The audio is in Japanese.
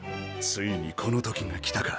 ついにこのときが来たか。